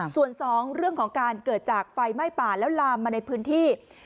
ส่วนสองเรื่องของการเกิดจากไฟไหม้ป่าแล้วลามมาในพื้นที่